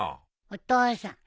お父さん